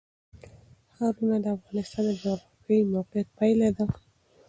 ښارونه د افغانستان د جغرافیایي موقیعت پایله ده.